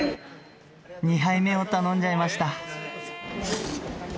２杯目を頼んじゃいました。